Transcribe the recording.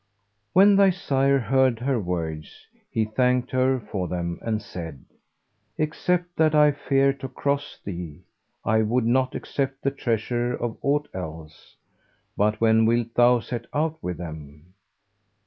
When thy sire heard her words, he thanked her for them; and said, 'Except that I fear to cross thee, I would not accept the treasure or aught else; but when wilt thou set out with them?'